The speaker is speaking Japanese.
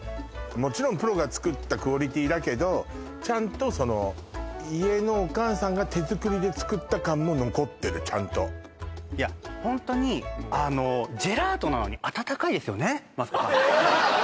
もちろんプロが作ったクオリティーだけどちゃんとその家のお母さんが手作りで作った感も残ってるちゃんといやホントにあのマツコさん